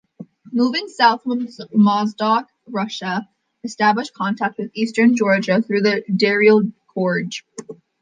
Moving south from Mozdok, Russia established contact with eastern Georgia through the Darial Gorge.